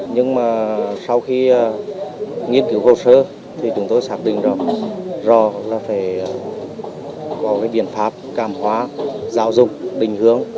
nhưng mà sau khi nghiên cứu hồ sơ chúng tôi xác định rõ là phải có biện pháp cảm hóa giáo dục đình hướng